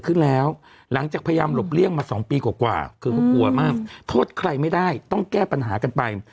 ขึ้นแล้วหลังจากพยายามหลบเลี่ยงมา๒ปีกว่าคือเขากลัวมากโทษใครไม่ได้ต้องแก้ปัญหากันไป